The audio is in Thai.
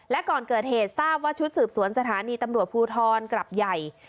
และก่อนเกิดเหตุทราบว่าชุดสืบสวนสถานีตำรวจภูทรกรับใหญ่